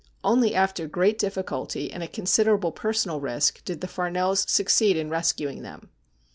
Only after great difficulty and at con siderable personal risk did the Farnells succeed in rescuing them.